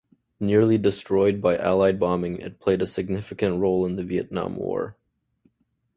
Nearly destroyed by Allied bombing, it played a significant role in the Vietnam War.